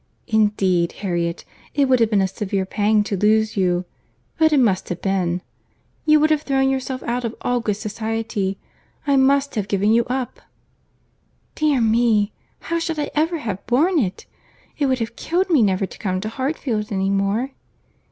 "Indeed, Harriet, it would have been a severe pang to lose you; but it must have been. You would have thrown yourself out of all good society. I must have given you up." "Dear me!—How should I ever have borne it! It would have killed me never to come to Hartfield any more!"